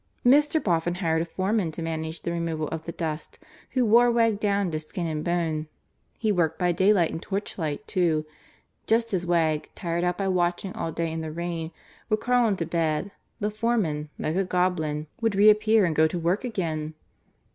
Mr. Boffin hired a foreman to manage the removal of the dust who wore Wegg down to skin and bone. He worked by daylight and torchlight, too. Just as Wegg, tired out by watching all day in the rain, would crawl into bed, the foreman, like a goblin, would reappear and go to work again.